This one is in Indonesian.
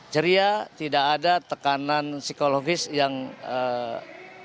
ceria tidak ada tekanan psikologis yang eee